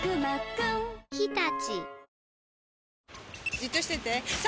じっとしてて３！